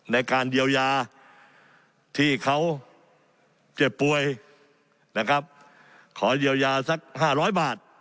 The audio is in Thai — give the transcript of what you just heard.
ในการเยียวยาที่เขาเจ็บป่วยนะครับขอเยียวยาสัก๕๐๐บาท